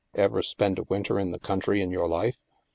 " Ever spend a winter in the country in your life?"